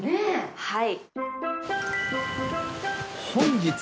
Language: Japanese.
はい。